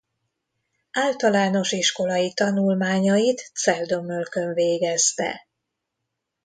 Általános iskolai tanulmányait Celldömölkön végezte.